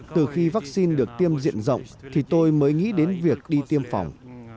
từ khi vaccine được tiêm diện rộng thì tôi mới nghĩ đến việc đi tiêm phòng